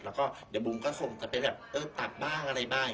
แล้วก็เดี๋ยวบุ๋มก็ส่งกันไปแบบเออปรับบ้างอะไรบ้าง